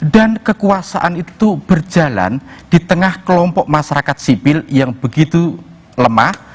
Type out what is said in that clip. dan kekuasaan itu berjalan di tengah kelompok masyarakat sipil yang begitu lemah